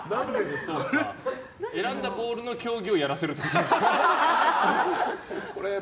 選んだボールの競技をやらせるってことですか？